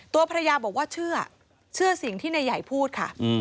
ตัวภรรยาบอกว่าเชื่อเชื่อสิ่งที่นายใหญ่พูดค่ะ